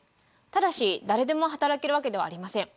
ただし誰でも働けるわけではありません。